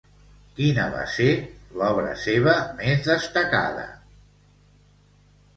Quina va ser l'obra seva més destacada?